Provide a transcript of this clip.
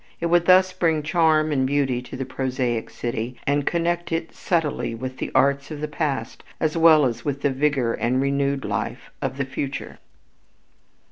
It would thus bring charm and beauty to the prosaic city and connect it subtly with the arts of the past as well as with the vigor and renewed life of the future.